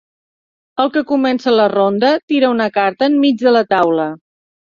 El que comença la ronda tira una carta enmig de la taula.